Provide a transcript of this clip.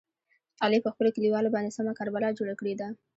علي په خپلو کلیوالو باندې سمه کربلا جوړه کړې ده.